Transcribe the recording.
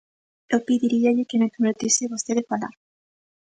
Eu pediríalle que me permitise vostede falar.